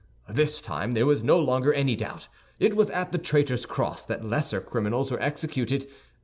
This time there was no longer any doubt; it was at the Traitor's Cross that lesser criminals were executed.